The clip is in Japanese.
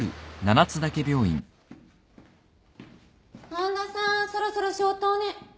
半田さんそろそろ消灯ね。